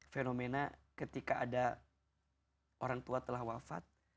fenomena ketika ada orang tua telah wafat